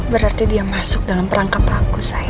berarti dia masuk dalam perangkap aku saya